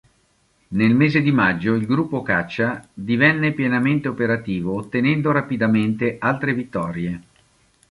Nel mese di maggio il gruppo caccia divenne pienamente operativo ottenendo rapidamente altre vittorie.